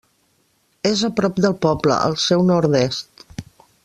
És a prop del poble, al seu nord-oest.